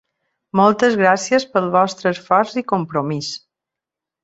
Moltes gràcies pel vostre esforç i compromís.